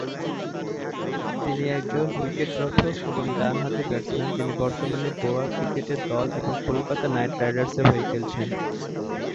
তিনি একজন উইকেটরক্ষক এবং ডানহাতি ব্যাটসম্যান যিনি বর্তমানে গোয়া ক্রিকেটে দল এবং কলকাতা নাইট রাইডার্স এ হয়ে খেলছেন।